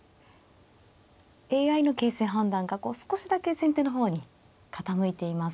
ＡＩの形勢判断が少しだけ先手の方に傾いています。